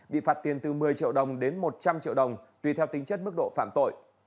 bị phạt tiền từ một mươi triệu đồng đến một trăm linh triệu đồng tùy theo tính chất mức độ phạm tội